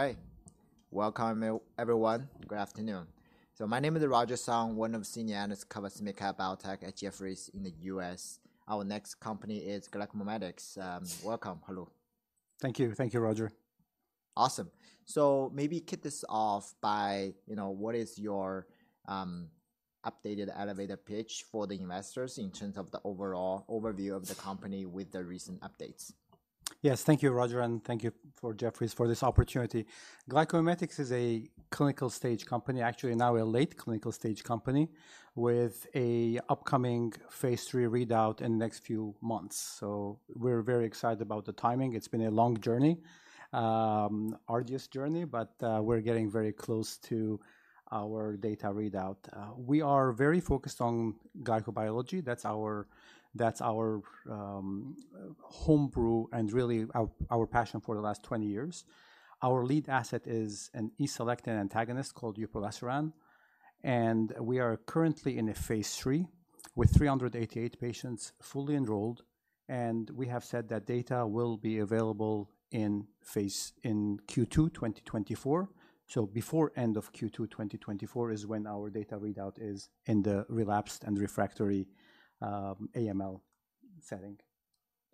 Hi. Welcome everyone. Good afternoon. So my name is Roger Song, one of senior analysts covers MedTech, biotech at Jefferies in the U.S. Our next company is GlycoMimetics. Welcome. Hello. Thank you. Thank you, Roger. Awesome. So maybe kick this off by, you know, what is your, updated elevator pitch for the investors in terms of the overall overview of the company with the recent updates? Yes. Thank you, Roger, and thank you for Jefferies for this opportunity. GlycoMimetics is a clinical stage company, actually now a late clinical stage company, with an upcoming phase III readout in the next few months. So we're very excited about the timing. It's been a long journey, arduous journey, but we're getting very close to our data readout. We are very focused on glycobiology. That's our, that's our home brew and really our passion for the last 20 years. Our lead asset is an E-selectin antagonist called uproleselan, and we are currently in a phase III with 388 patients fully enrolled, and we have said that data will be available in Q2 2024. So before end of Q2 2024 is when our data readout is in the relapsed and refractory AML setting.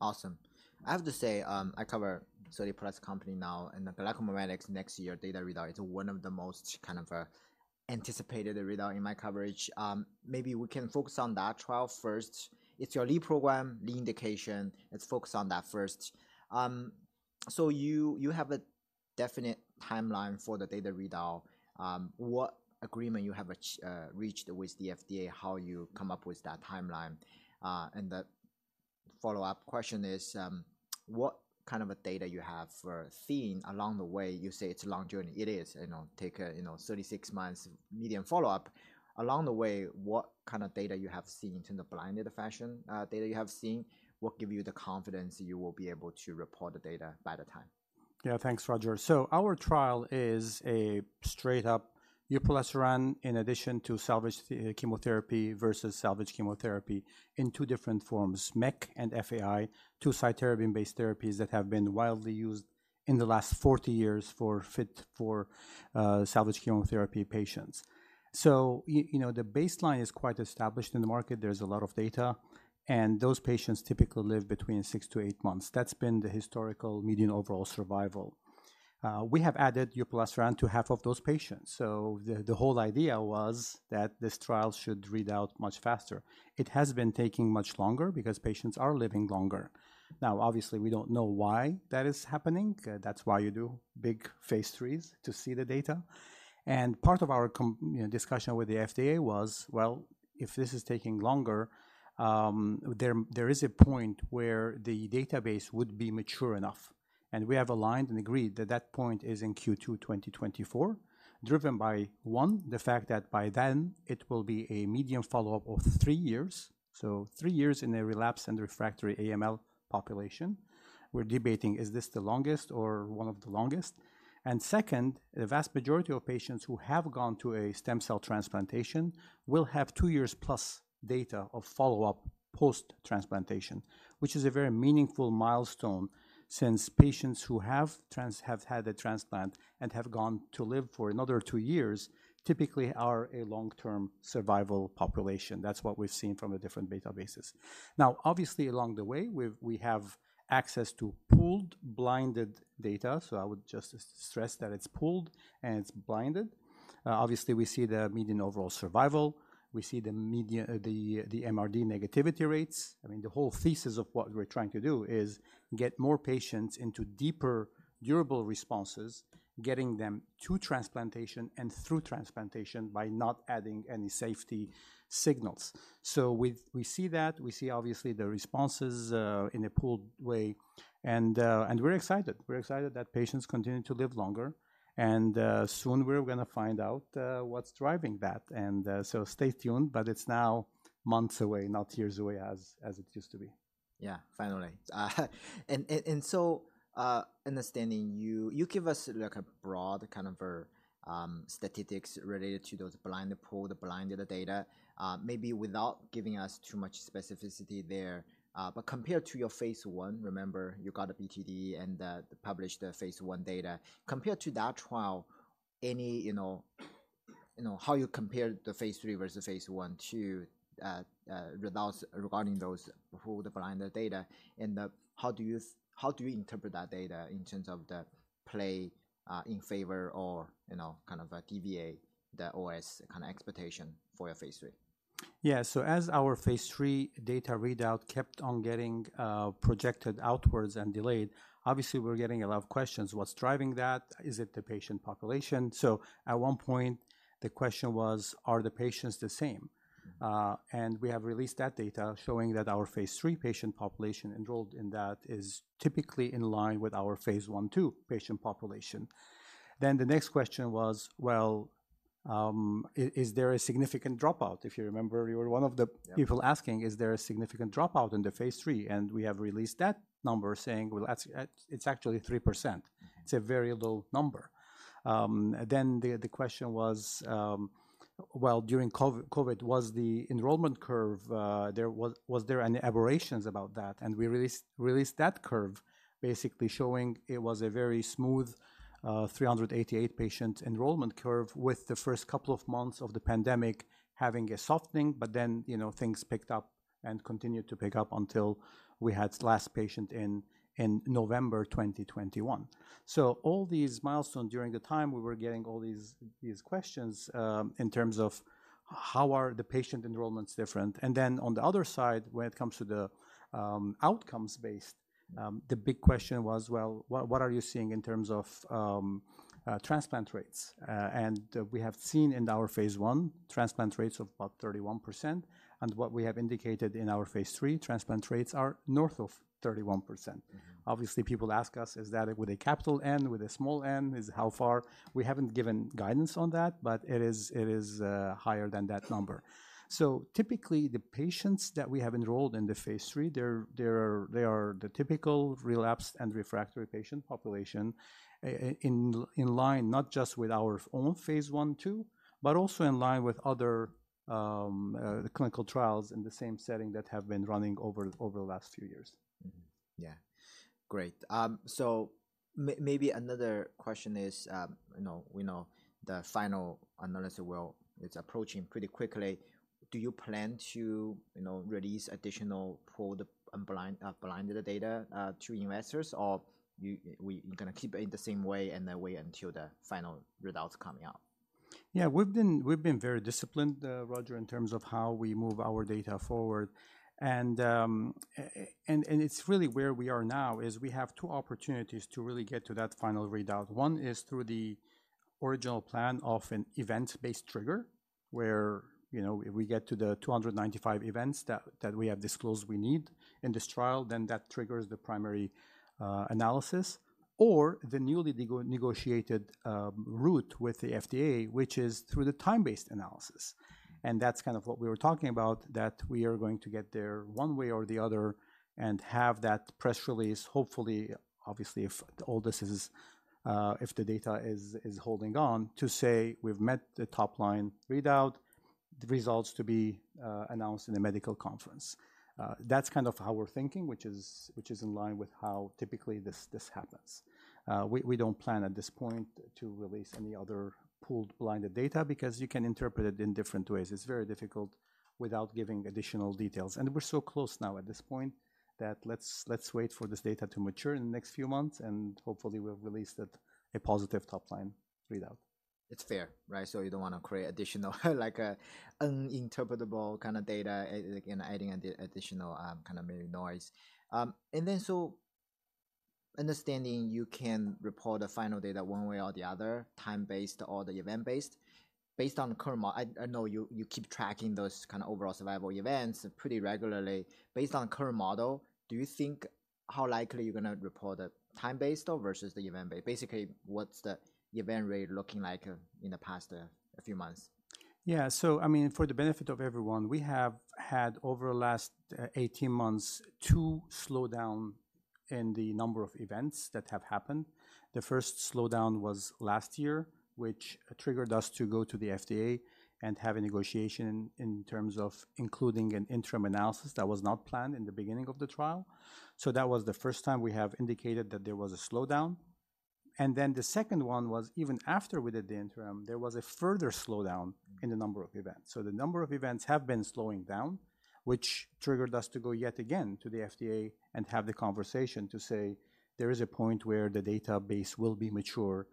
Awesome. I have to say, I cover 30+ companies now, and the GlycoMimetics next year data readout is one of the most kind of anticipated readout in my coverage. Maybe we can focus on that trial first. It's your lead program, lead indication. Let's focus on that first. So you have a definite timeline for the data readout. What agreement you have reached with the FDA, how you come up with that timeline? And the follow-up question is, what kind of data you have seen along the way? You say it's a long journey. It is, you know, take a, you know, 36 months median follow-up. Along the way, what kind of data you have seen in the blinded fashion, data you have seen, what give you the confidence you will be able to report the data by the time? Yeah, thanks, Roger. So our trial is a straight-up uproleselan in addition to salvage chemotherapy versus salvage chemotherapy in two different forms, MEC and FAI, two cytarabine-based therapies that have been widely used in the last 40 years for fit salvage chemotherapy patients. So you know, the baseline is quite established in the market. There's a lot of data, and those patients typically live between 6-8 months. That's been the historical median overall survival. We have added uproleselan to half of those patients. So the whole idea was that this trial should read out much faster. It has been taking much longer because patients are living longer. Now, obviously, we don't know why that is happening. That's why you do big phase IIIs to see the data. Part of our, you know, discussion with the FDA was, well, if this is taking longer, there is a point where the database would be mature enough, and we have aligned and agreed that that point is in Q2 2024, driven by, one, the fact that by then it will be a median follow-up of three years, so three years in a relapse and refractory AML population. We're debating, is this the longest or one of the longest? And second, the vast majority of patients who have gone to a stem cell transplantation will have two years plus data of follow-up post-transplantation, which is a very meaningful milestone since patients who have had a transplant and have gone to live for another two years, typically are a long-term survival population. That's what we've seen from the different databases. Now, obviously, along the way, we have access to pooled, blinded data, so I would just stress that it's pooled and it's blinded. Obviously, we see the median overall survival. We see the median MRD negativity rates. I mean, the whole thesis of what we're trying to do is get more patients into deeper durable responses, getting them to transplantation and through transplantation by not adding any safety signals. So we see that, we see obviously the responses in a pooled way, and we're excited. We're excited that patients continue to live longer, and soon we're gonna find out what's driving that. And so stay tuned, but it's now months away, not years away, as it used to be. Yeah, finally. And so, understanding you, you give us, like, a broad kind of statistics related to those blinded pool, the blinded data, maybe without giving us too much specificity there. But compared to your phase I, remember, you got a BTD and published the phase I data. Compared to that trial, you know, how you compare the phase III versus phase I/II results regarding those pooled blinded data, and how do you interpret that data in terms of the play in favor or, you know, kind of deviate the OS kind of expectation for your phase III? Yeah. So as our phase III data readout kept on getting projected outwards and delayed, obviously, we're getting a lot of questions. What's driving that? Is it the patient population? So at one point, the question was: Are the patients the same? And we have released that data showing that our phase III patient population enrolled in that is typically in line with our phase I/II patient population. Then the next question was, well, is there a significant dropout? If you remember, you were one of the- Yeah... people asking, "Is there a significant dropout in the phase III?" And we have released that number saying, "Well, that's, it's actually 3%." It's a very low number. Then the question was... Well, during COVID, was the enrollment curve, there was, was there any aberrations about that? And we released, released that curve, basically showing it was a very smooth 388-patient enrollment curve, with the first couple of months of the pandemic having a softening. But then, you know, things picked up and continued to pick up until we had last patient in, in November 2021. So all these milestones during the time we were getting all these, these questions in terms of how are the patient enrollments different? Then on the other side, when it comes to the outcomes based, the big question was: Well, what are you seeing in terms of transplant rates? We have seen in our phase I transplant rates of about 31%, and what we have indicated in our phase III transplant rates are north of 31%. Mm-hmm. Obviously, people ask us, is that with a capital N, with a small N, is how far? We haven't given guidance on that, but it is higher than that number. So typically, the patients that we have enrolled in the phase III, they are the typical relapsed and refractory patient population, in line, not just with our own phase I/II, but also in line with other clinical trials in the same setting that have been running over the last few years. Mm-hmm. Yeah, great. So maybe another question is, you know, we know the final analysis well, it's approaching pretty quickly. Do you plan to, you know, release additional pulled unblind, blinded data to investors, or you're gonna keep it the same way and then wait until the final results coming out? Yeah, we've been very disciplined, Roger, in terms of how we move our data forward. And it's really where we are now, is we have two opportunities to really get to that final readout. One is through the original plan of an event-based trigger, where, you know, if we get to the 295 events that we have disclosed we need in this trial, then that triggers the primary analysis, or the newly negotiated route with the FDA, which is through the time-based analysis. And that's kind of what we were talking about, that we are going to get there one way or the other and have that press release, hopefully, obviously, if all this is, if the data is, is holding on, to say we've met the top-line readout, the results to be, announced in a medical conference. That's kind of how we're thinking, which is, which is in line with how typically this, this happens. We, we don't plan at this point to release any other pooled blinded data because you can interpret it in different ways. It's very difficult without giving additional details. And we're so close now at this point that let's, let's wait for this data to mature in the next few months, and hopefully, we'll release it a positive top-line readout. It's fair, right? So you don't wanna create additional, like, uninterpretable kind of data, again, adding additional, kind of maybe noise. And then so understanding you can report the final data one way or the other, time-based or the event-based. Based on current model, I know you keep tracking those kind of overall survival events pretty regularly. Based on current model, do you think how likely you're gonna report the time-based or versus the event-based? Basically, what's the event rate looking like in the past, few months? Yeah. So I mean, for the benefit of everyone, we have had over the last 18 months, two slowdown in the number of events that have happened. The first slowdown was last year, which triggered us to go to the FDA and have a negotiation in terms of including an interim analysis that was not planned in the beginning of the trial. So that was the first time we have indicated that there was a slowdown. And then the second one was even after we did the interim, there was a further slowdown in the number of events. So the number of events have been slowing down, which triggered us to go yet again to the FDA and have the conversation to say: There is a point where the database will be mature,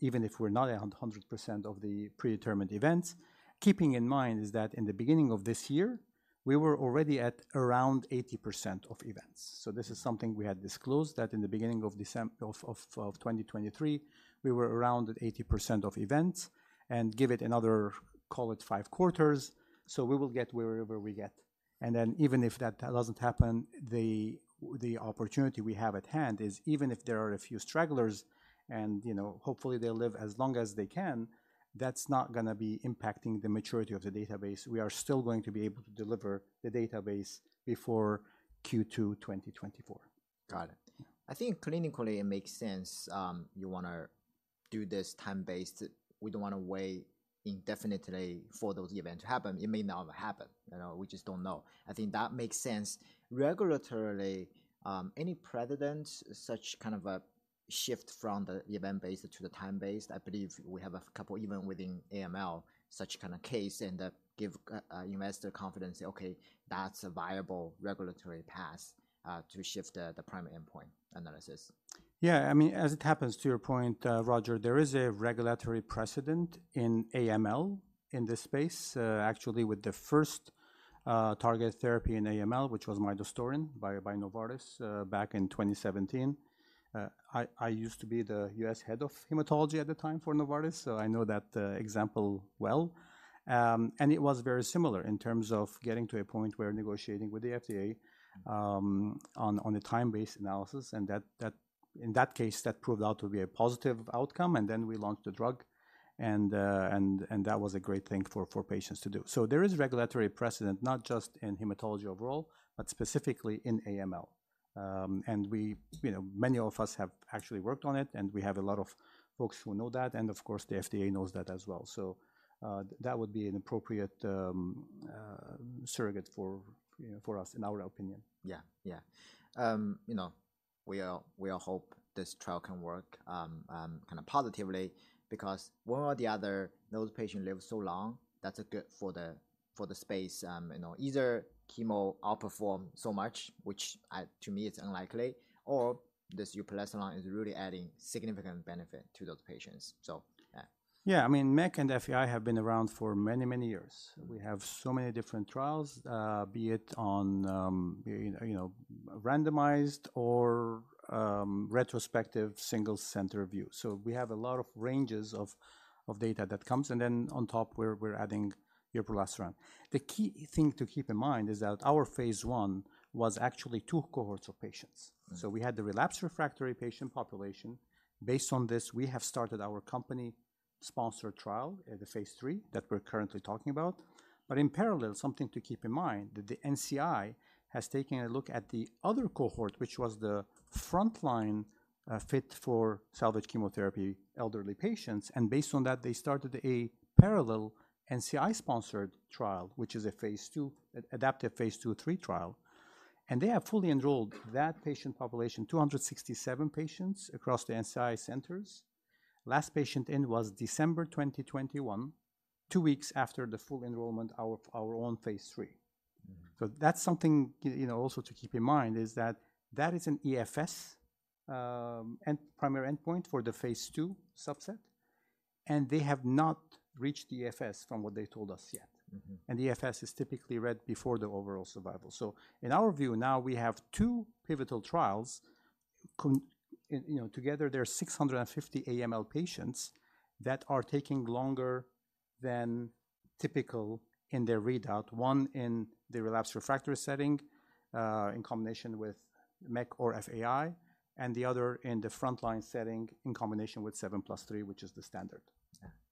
even if we're not at 100% of the predetermined events. Keeping in mind is that in the beginning of this year, we were already at around 80% of events. So this is something we had disclosed, that in the beginning of December of 2023, we were around at 80% of events, and give it another, call it five quarters, so we will get wherever we get. And then even if that doesn't happen, the opportunity we have at hand is, even if there are a few stragglers and, you know, hopefully, they'll live as long as they can, that's not gonna be impacting the maturity of the database. We are still going to be able to deliver the database before Q2 2024. Got it. I think clinically it makes sense, you wanna do this time-based. We don't wanna wait indefinitely for those events to happen. It may not happen. You know, we just don't know. I think that makes sense. Regulatorily, any precedent, such kind of a shift from the event-based to the time-based? I believe we have a couple, even within AML, such kind of case, and that give investor confidence, okay, that's a viable regulatory path, to shift the, the primary endpoint analysis. Yeah, I mean, as it happens, to your point, Roger, there is a regulatory precedent in AML in this space, actually, with the first targeted therapy in AML, which was midostaurin by Novartis back in 2017. I used to be the U.S. head of hematology at the time for Novartis, so I know that example well. And it was very similar in terms of getting to a point where negotiating with the FDA on a time-based analysis, and that in that case proved out to be a positive outcome, and then we launched the drug, and that was a great thing for patients to do. So there is regulatory precedent, not just in hematology overall, but specifically in AML. and we, you know, many of us have actually worked on it, and we have a lot of folks who know that, and of course, the FDA knows that as well. So, that would be an appropriate surrogate for, you know, for us, in our opinion. Yeah. Yeah. You know, we all, we all hope this trial can work kind of positively, because one or the other, those patients live so long, that's good for the, for the space. You know, either chemo outperform so much, which, to me is unlikely, or this uproleselan is really adding significant benefit to those patients. So yeah. Yeah, I mean, MEC and FAI have been around for many, many years. We have so many different trials, be it on, you know, randomized or, retrospective single center view. So we have a lot of ranges of data that comes, and then on top, we're adding uproleselan. The key thing to keep in mind is that our phase I was actually two cohorts of patients. Mm-hmm. We had the relapsed refractory patient population. Based on this, we have started our company-sponsored trial, the phase III, that we're currently talking about. But in parallel, something to keep in mind, that the NCI has taken a look at the other cohort, which was the frontline, fit for salvage chemotherapy, elderly patients, and based on that, they started a parallel NCI-sponsored trial, which is a phase II, adaptive phase II/III trial. And they have fully enrolled that patient population, 267 patients across the NCI centers. Last patient in was December 2021, two weeks after the full enrollment our own phase III. Mm-hmm. So that's something, you know, also to keep in mind, is that that is an EFS primary endpoint for the phase II subset, and they have not reached the EFS from what they told us yet. Mm-hmm. EFS is typically read before the overall survival. So in our view now, we have two pivotal trials, you know, together there are 650 AML patients that are taking longer than typical in their readout. One in the relapsed refractory setting, in combination with MEC or FAI, and the other in the frontline setting in combination with 7+3, which is the standard.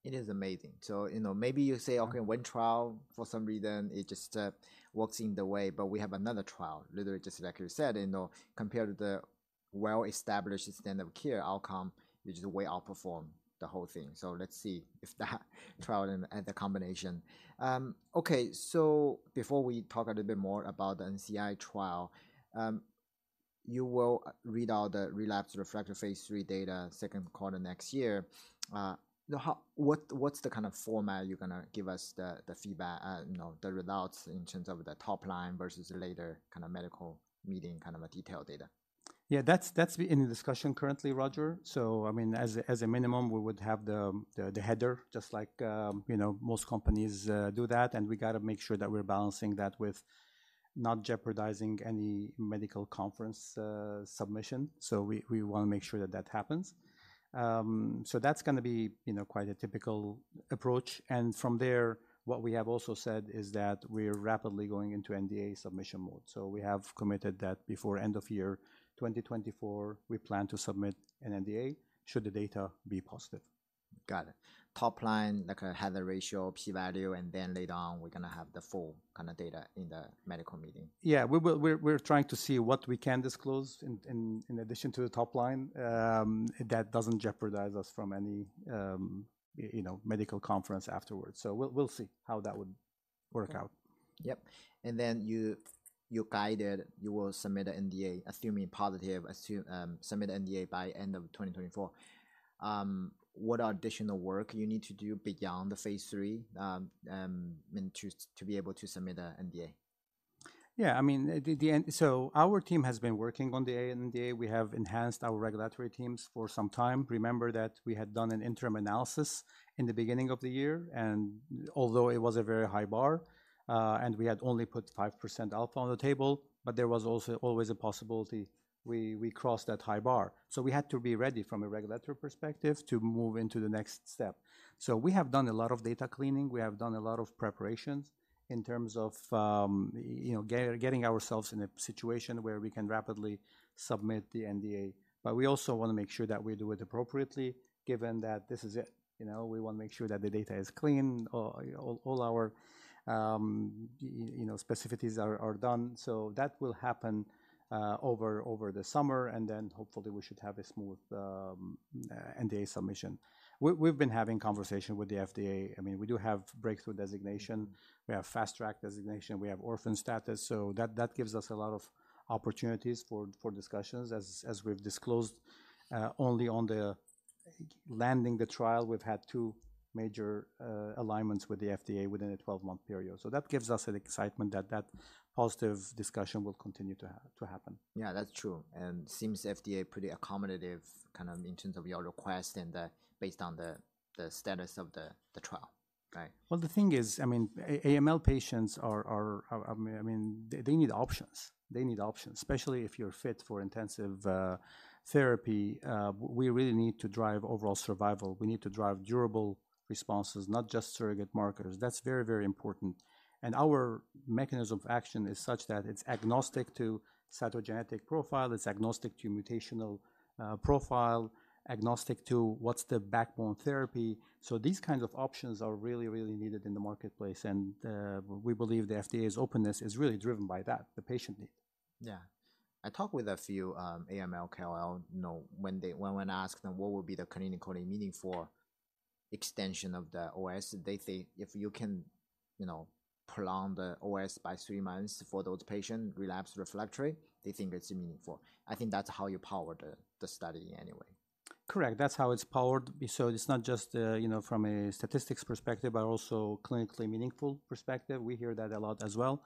Yeah, it is amazing. So, you know, maybe you say, "Okay, one trial for some reason, it just works in the way," but we have another trial, literally, just like you said, you know, compared to the well-established standard of care outcome, which is way outperform the whole thing. So let's see if that trial and the combination... Okay, so before we talk a little bit more about the NCI trial, you will read out the relapsed refractory phase III data, Q2 next year. Now, how—what's the kind of format you're going to give us the, the feedback, you know, the results in terms of the top line versus later kind of medical meeting, kind of a detailed data? Yeah, that's in discussion currently, Roger. So I mean, as a minimum, we would have the header, just like, you know, most companies do that, and we got to make sure that we're balancing that with not jeopardizing any medical conference submission. So we want to make sure that that happens. So that's going to be, you know, quite a typical approach. And from there, what we have also said is that we're rapidly going into NDA submission mode. So we have committed that before end of year 2024, we plan to submit an NDA, should the data be positive. Got it. Top line, like a hazard ratio, p-value, and then later on, we're going to have the full kind of data in the medical meeting. Yeah. We're trying to see what we can disclose in addition to the top line that doesn't jeopardize us from any, you know, medical conference afterwards. So we'll see how that would work out. Yep. And then you guided you will submit an NDA, assuming positive, submit NDA by end of 2024. What are additional work you need to do beyond the phase III, and to be able to submit an NDA? Yeah, I mean, at the end. So our team has been working on the NDA. We have enhanced our regulatory teams for some time. Remember that we had done an interim analysis in the beginning of the year, and although it was a very high bar, and we had only put 5% alpha on the table, but there was also always a possibility we crossed that high bar. So we had to be ready from a regulatory perspective to move into the next step. So we have done a lot of data cleaning. We have done a lot of preparations in terms of, you know, getting ourselves in a situation where we can rapidly submit the NDA. But we also want to make sure that we do it appropriately, given that this is it, you know, we want to make sure that the data is clean, all our specificities are done. So that will happen over the summer, and then hopefully, we should have a smooth NDA submission. We've been having conversations with the FDA. I mean, we do have breakthrough designation, we have fast track designation, we have orphan status, so that gives us a lot of opportunities for discussions. As we've disclosed, only on the launching the trial, we've had two major alignments with the FDA within a 12-month period. So that gives us an excitement that that positive discussion will continue to happen. Yeah, that's true, and seems FDA pretty accommodative, kind of in terms of your request and, based on the status of the trial. Right. Well, the thing is, I mean, AML patients are. I mean, they need options. They need options, especially if you're fit for intensive therapy. We really need to drive overall survival. We need to drive durable responses, not just surrogate markers. That's very, very important. And our mechanism of action is such that it's agnostic to cytogenetic profile, it's agnostic to mutational profile, agnostic to what's the backbone therapy. So these kinds of options are really, really needed in the marketplace, and we believe the FDA's openness is really driven by that, the patient need. Yeah. I talked with a few AML, CLL, you know, when I asked them what would be the clinical meaning for extension of the OS. They say if you can, you know, prolong the OS by 3 months for those patients, relapse refractory, they think it's meaningful. I think that's how you power the study anyway. Correct. That's how it's powered. So it's not just, you know, from a statistics perspective, but also clinically meaningful perspective. We hear that a lot as well.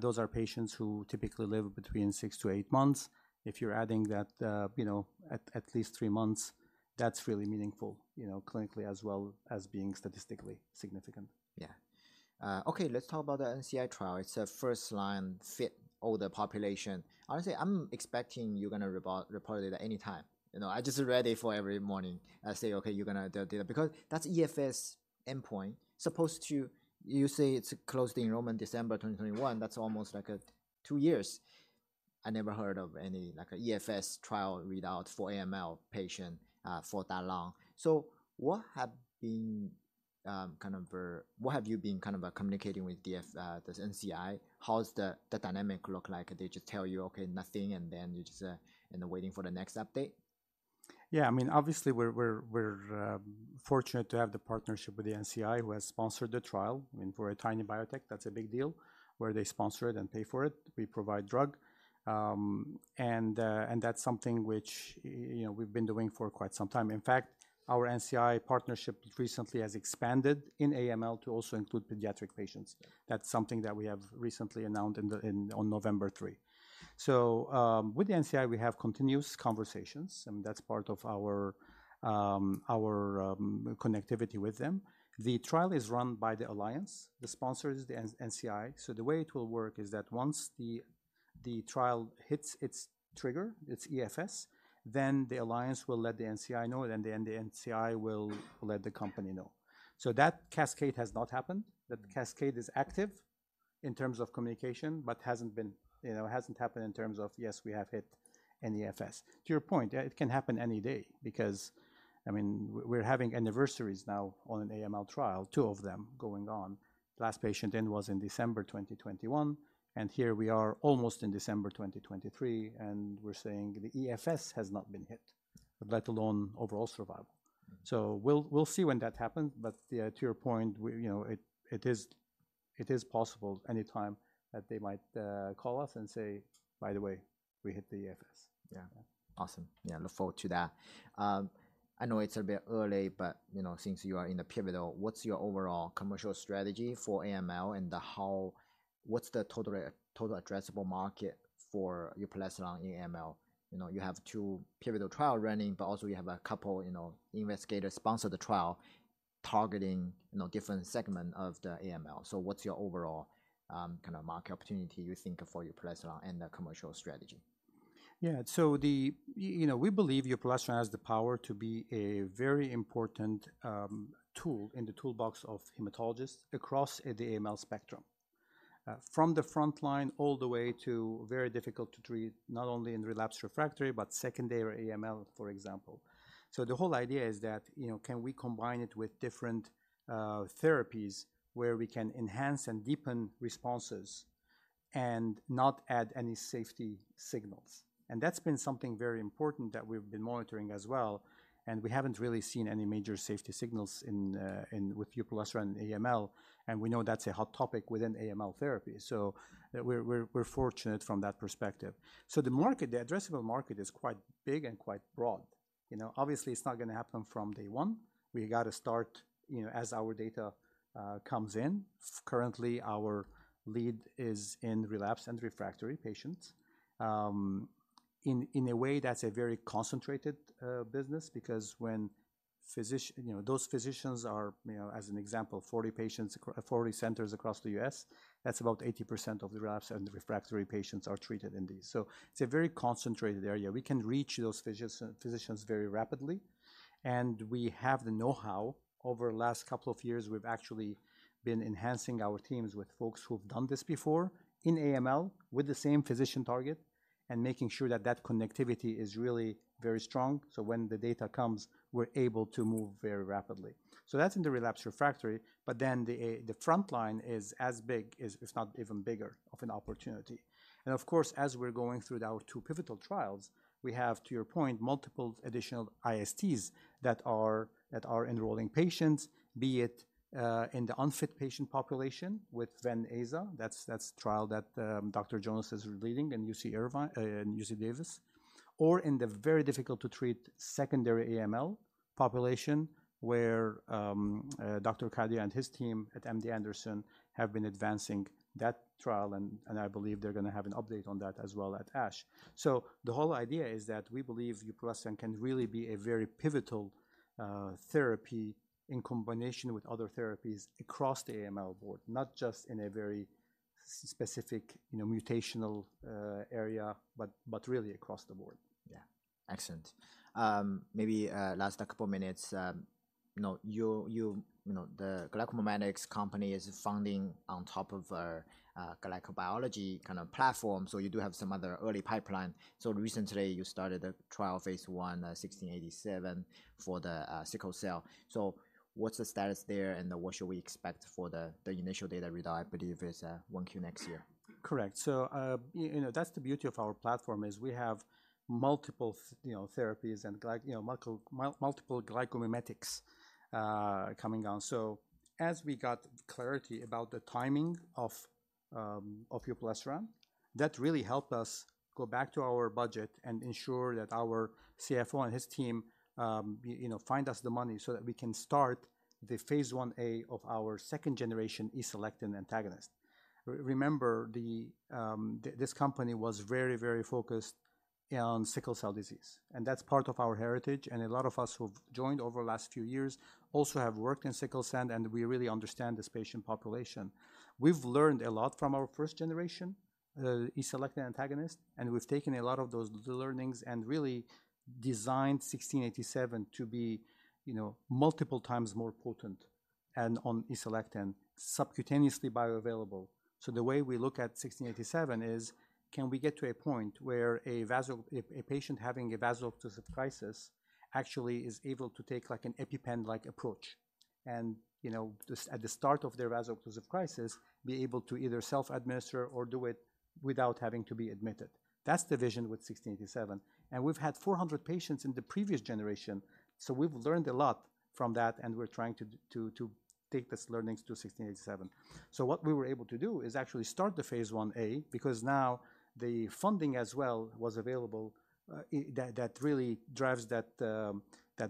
Those are patients who typically live between 6-8 months. If you're adding that, you know, at least 3 months, that's really meaningful, you know, clinically as well as being statistically significant. Yeah. Okay, let's talk about the NCI trial. It's a first-line fit older population. Honestly, I'm expecting you're gonna report it at any time. You know, I just read it for every morning. I say, "Okay, you're gonna do that," because that's EFS endpoint. Supposed to, you say it's closed enrollment December 2021, that's almost like, two years. I never heard of any, like, EFS trial readout for AML patient, for that long. So what have been, kind of... What have you been kind of, communicating with this NCI? How's the dynamic look like? They just tell you, "Okay, nothing," and then you just, and waiting for the next update? Yeah, I mean, obviously, we're fortunate to have the partnership with the NCI, who has sponsored the trial. I mean, for a tiny biotech, that's a big deal, where they sponsor it and pay for it. We provide drug. And that's something which, you know, we've been doing for quite some time. In fact, our NCI partnership recently has expanded in AML to also include pediatric patients. That's something that we have recently announced on November three. So, with the NCI, we have continuous conversations, and that's part of our connectivity with them. The trial is run by the Alliance. The sponsor is the NCI. So the way it will work is that once the trial hits its trigger, its EFS, then the Alliance will let the NCI know, and then the NCI will let the company know. So that cascade has not happened. That cascade is active in terms of communication, but hasn't been, you know, hasn't happened in terms of, "Yes, we have hit an EFS." To your point, it can happen any day because, I mean, we're having anniversaries now on an AML trial, two of them going on. Last patient in was in December 2021, and here we are, almost in December 2023, and we're saying the EFS has not been hit, let alone overall survival. So we'll see when that happens, but yeah, to your point, you know, it is possible anytime that they might call us and say, "By the way, we hit the EFS. Yeah. Awesome. Yeah, look forward to that. I know it's a bit early, but, you know, since you are in the pivotal, what's your overall commercial strategy for AML and what's the total, total addressable market for uproleselan in AML? You know, you have two pivotal trial running, but also you have a couple, you know, investigator-sponsored trial targeting, you know, different segment of the AML. So what's your overall, kind of market opportunity you think for uproleselan and the commercial strategy? Yeah. So you know, we believe uproleselan has the power to be a very important tool in the toolbox of hematologists across the AML spectrum. From the frontline, all the way to very difficult to treat, not only in relapsed refractory, but secondary AML, for example. So the whole idea is that, you know, can we combine it with different therapies where we can enhance and deepen responses and not add any safety signals? And that's been something very important that we've been monitoring as well, and we haven't really seen any major safety signals in with uproleselan in AML, and we know that's a hot topic within AML therapy, so we're fortunate from that perspective. So the market, the addressable market is quite big and quite broad. You know, obviously, it's not gonna happen from day one. We got to start, you know, as our data comes in. Currently, our lead is in relapse and refractory patients. In a way, that's a very concentrated business because, when physicians, you know, those physicians are, you know, as an example, 40 centers across the U.S., that's about 80% of the relapse and refractory patients are treated in these. So it's a very concentrated area. We can reach those physicians very rapidly, and we have the know-how. Over the last couple of years, we've actually been enhancing our teams with folks who've done this before in AML with the same physician target and making sure that that connectivity is really very strong, so when the data comes, we're able to move very rapidly. So that's in the relapse refractory, but then the frontline is as big, if not even bigger of an opportunity. And of course, as we're going through our two pivotal trials, we have, to your point, multiple additional ISTs that are enrolling patients, be it in the unfit patient population with Ven/Aza. That's the trial that Dr. Jonas is leading in UC Irvine, in UC Davis, or in the very difficult to treat secondary AML population, where Dr. Kadia and his team at MD Anderson have been advancing that trial, and I believe they're gonna have an update on that as well at ASH. So the whole idea is that we believe uproleselan can really be a very pivotal therapy in combination with other therapies across the AML board, not just in a very specific, you know, mutational area, but really across the board. Yeah. Excellent. Maybe last a couple minutes, you know, the GlycoMimetics company is founded on top of a glycobiology kind of platform, so you do have some other early pipeline. So recently, you started a trial phase I, 1687, for the sickle cell. So what's the status there, and what should we expect for the initial data readout? I believe it's 1Q next year. Correct. So, you know, that's the beauty of our platform, is we have multiple, you know, therapies and you know, multiple glycomimetics, coming on. So as we got clarity about the timing of uproleselan. That really helped us go back to our budget and ensure that our CFO and his team, you know, find us the money so that we can start the phase Ia of our second generation E-selectin antagonist. Remember, this company was very, very focused on sickle cell disease, and that's part of our heritage, and a lot of us who've joined over the last few years also have worked in sickle cell, and we really understand this patient population. We've learned a lot from our first generation E-selectin antagonist, and we've taken a lot of those learnings and really designed 1687 to be, you know, multiple times more potent and on E-selectin subcutaneously bioavailable. So the way we look at 1687 is, can we get to a point where a patient having a vaso-occlusive crisis actually is able to take, like, an EpiPen-like approach and, you know, just at the start of their vaso-occlusive crisis, be able to either self-administer or do it without having to be admitted? That's the vision with 1687, and we've had 400 patients in the previous generation, so we've learned a lot from that, and we're trying to take these learnings to 1687. So what we were able to do is actually start the phase Ia because now the funding as well was available, that really drives that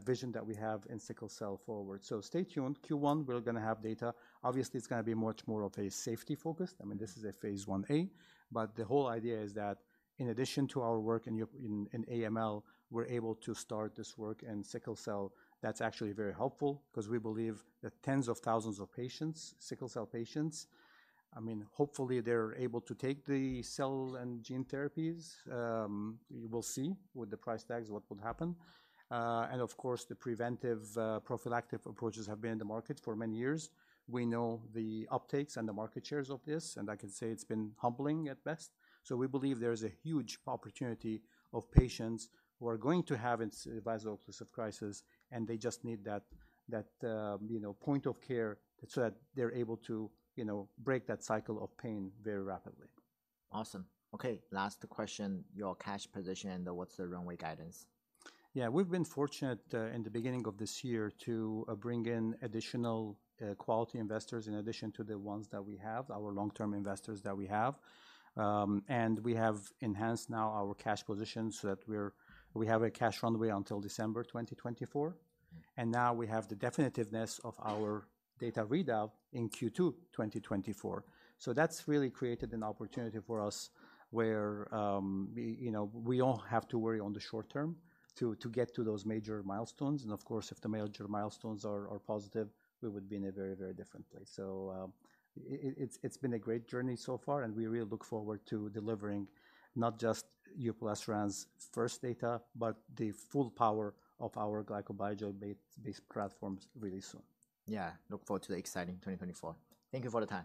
vision that we have in sickle cell forward. So stay tuned. Q1, we're gonna have data. Obviously, it's gonna be much more of a safety focus. I mean, this is a phase Ia, but the whole idea is that in addition to our work in uproleselan in AML, we're able to start this work in sickle cell. That's actually very helpful 'cause we believe that tens of thousands of patients, sickle cell patients, I mean, hopefully, they're able to take the cell and gene therapies. We will see with the price tags, what would happen. And of course, the preventive, prophylactic approaches have been in the market for many years. We know the uptakes and the market shares of this, and I can say it's been humbling at best. So we believe there is a huge opportunity of patients who are going to have vaso-occlusive crisis, and they just need that, you know, point of care so that they're able to, you know, break that cycle of pain very rapidly. Awesome. Okay, last question, your cash position and what's the runway guidance? Yeah, we've been fortunate in the beginning of this year to bring in additional quality investors in addition to the ones that we have, our long-term investors that we have. And we have enhanced now our cash position so that we're—we have a cash runway until December 2024, and now we have the definitiveness of our data readout in Q2 2024. So that's really created an opportunity for us where, we, you know, we don't have to worry on the short term to, to get to those major milestones. And of course, if the major milestones are, are positive, we would be in a very, very different place. It's been a great journey so far, and we really look forward to delivering not just uproleselan's first data, but the full power of our glycobiology-based platforms really soon. Yeah, look forward to the exciting 2024. Thank you for the time.